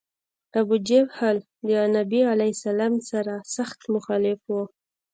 ابوجهل د نبي علیه السلام سر سخت مخالف و.